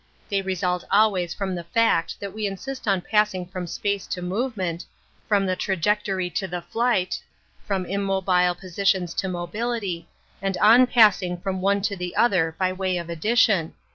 They result always from the fact that we insist on passing from space to movement, from the trajectory to the flight, from immobile isitions to mobility, and on passing from One to the other by way of addition.